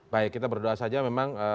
baik kita berdoa saja memang